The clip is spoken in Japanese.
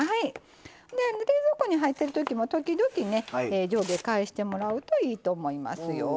冷蔵庫に入ってるときも時々ね上下返してもらうといいと思いますよ。